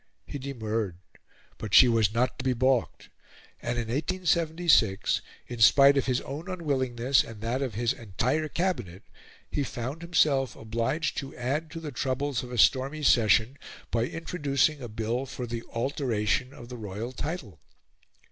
He demurred; but she was not to be baulked; and in 1876, in spite of his own unwillingness and that of his entire Cabinet, he found himself obliged to add to the troubles of a stormy session by introducing a bill for the alteration of the Royal Title.